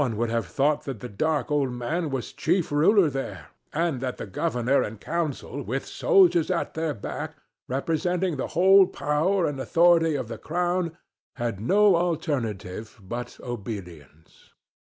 One would have thought that the dark old man was chief ruler there, and that the governor and council with soldiers at their back, representing the whole power and authority of the Crown, had no alternative but obedience.